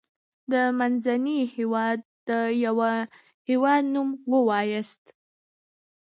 د منځني هيواد دیوه هیواد نوم ووایاست.